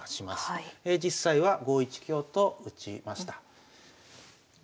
実際は５一香と打ちました。